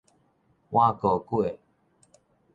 碗糕粿